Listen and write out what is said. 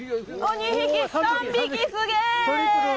おっ２匹３匹すげえ！